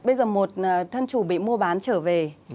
bây giờ một thân chủ bị mua bán trở về